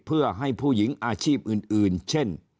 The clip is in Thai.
เพื่อให้ผู้หญิงอาชีพอื่นเช่น